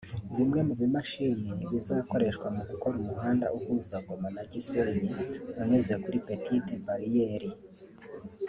Bimwe mu bimashini bizakoreshwa mu gukora umuhanda uhuza Goma na Gisenyi unyuze kuri petite bariyeri